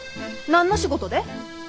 何の仕事で？